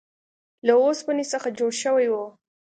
له اوسپنې څخه جوړ شوی و.